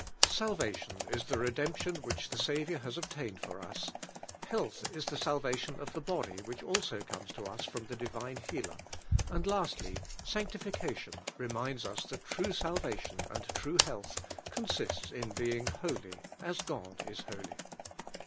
Salvation is the redemption which the Saviour liaa obtained for us, health is the salvation of the body which also e.niies to us from the Divine Healer, and lastly, sniiel ideation reminds us that true salvation" and true health con sists in being holy as God is holy.